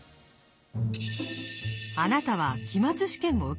あなたは期末試験を受けています。